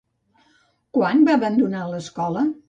Quan va abandonar l'Escola?